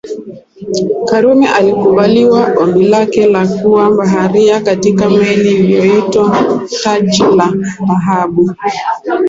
Karume alikubaliwa ombi lake la kuwa baharia katika meli iliyoitwa Taji la Dhahabu